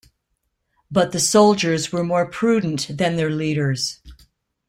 But the soldiers were more prudent than their leaders.